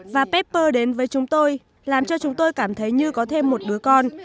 và pepper đến với chúng tôi làm cho chúng tôi cảm thấy như có thêm một đứa con